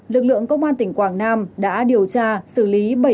lực lượng công an tỉnh quảng nam đã điều tra xử lý bảy mươi một vụ